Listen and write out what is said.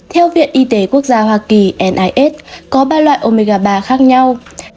theo viện y tế quốc gia hoa kỳ mis có ba loại omega ba khác nhau